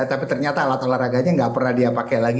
tapi ternyata alat olahraganya nggak pernah dia pakai lagi